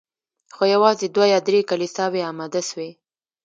خو یوازي دوه یا درې کلیساوي اماده سوې